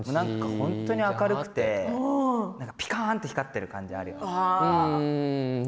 本当に明るくてぴかんと光っている感じだよね。